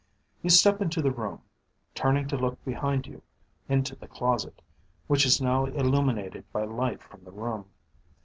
You step into the room, turning to look behind you into the closet, which is now illuminated by light from the room.